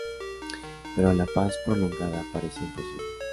Pero la paz prolongada parecía imposible.